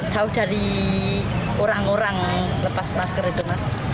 jauh dari orang orang lepas masker itu mas